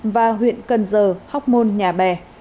và huyện cần giờ hóc môn nhà bè